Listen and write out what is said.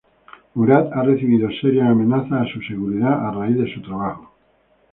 Murad ha recibido serias amenazas a su seguridad a raíz de su trabajo.